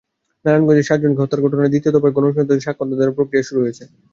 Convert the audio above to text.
নারায়ণগঞ্জে সাতজনকে হত্যার ঘটনায় দ্বিতীয় দফায় গণশুনানিতে সাক্ষ্য দেওয়ার প্রক্রিয়া শুরু হয়েছে।